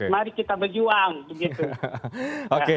mari kita berjuang begitu